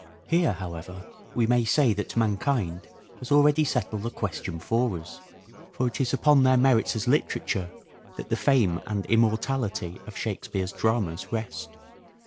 Here, however, we may say that mankind has already settled the question for us. For it is upon their merits as literature, that the fame and immortality of Shakespeare's dramas rest.